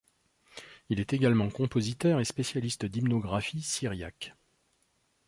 Il est également compositeur et spécialiste d'hymnographie syriaque.